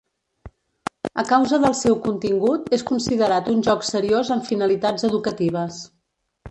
A causa del seu contingut, és considerat un joc seriós amb finalitats educatives.